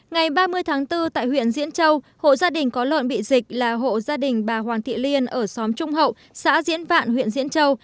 ngày ba mươi tháng bốn tại huyện diễn châu hộ gia đình có lợn bị dịch là hộ gia đình bà hoàng thị liên ở xóm trung hậu xã diễn vạn huyện diễn châu